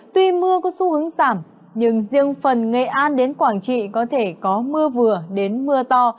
tuy mưa có xu hướng giảm nhưng riêng phần nghệ an đến quảng trị có thể có mưa vừa đến mưa to